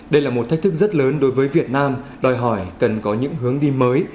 đây là một thách thức rất lớn đối với việt nam đòi hỏi cần có những hướng đi mới